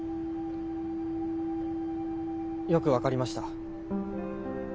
よく分かりました。